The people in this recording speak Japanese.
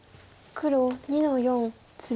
黒２の四ツギ。